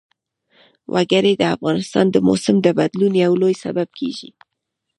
وګړي د افغانستان د موسم د بدلون یو لوی سبب کېږي.